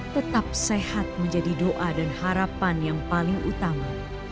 tetap sehat menjadi doa dan harapan yang paling utama